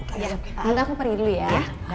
nanti aku pergi dulu ya